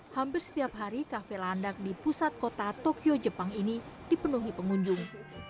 hampir setiap hari kafe landak di pusat kota tokyo jepang ini dipenuhi pengunjung